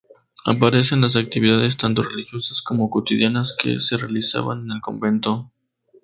Aparecen las actividades tanto religiosas como cotidianas que se realizaban en el convento.